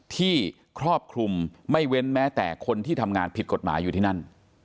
ครอบคลุมไม่เว้นแม้แต่คนที่ทำงานผิดกฎหมายอยู่ที่นั่น